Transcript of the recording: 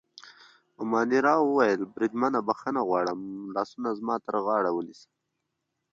مانیرا وویل: بریدمنه، بخښنه غواړم، لاسونه زما پر غاړه ونیسه.